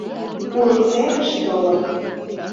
Курык серыш толын